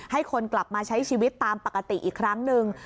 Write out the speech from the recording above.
ให้คนกลับมาใช้ชีวิตตามปกติอีกครั้งหนึ่ง